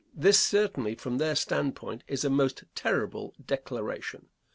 This, certainly, from their standpoint, is a most terrible declaration.